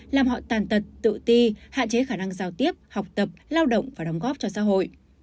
làm họ tàn tật tự ti hạn chế khả năng giao tiếp học tập lao động và đóng góp cho xã hội